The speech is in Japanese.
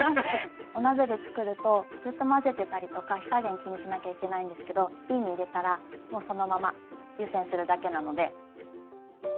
お鍋で作るとずっと混ぜてたりとか火加減気にしなきゃいけないんですけどびんに入れたらもうそのまま湯煎するだけなので。